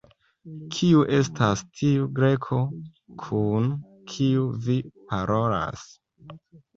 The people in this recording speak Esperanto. Kiu estas tiu Greko, kun kiu vi parolas?